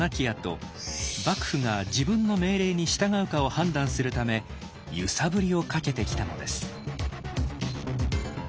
あと幕府が自分の命令に従うかを判断するため揺さぶりをかけてきたのです。